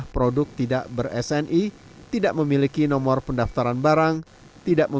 produkt tidak tidak memiliki cooperate